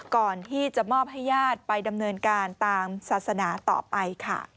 ก่อนที่จะมอบให้ญาติไปดำเนินการตามศาสนาต่อไปค่ะ